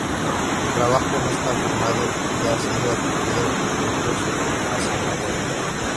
El trabajo no está firmado, y ha sido atribuido, entre otros, a Cimabue.